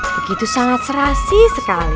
begitu sangat serasi sekalipun